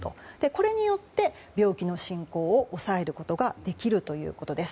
これによって病気の進行を抑えることができるということです。